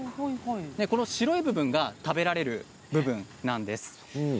この白い部分が食べられる部分なんです。